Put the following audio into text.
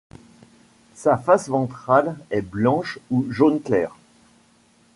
Sa face ventrale est blanche ou jaune clair.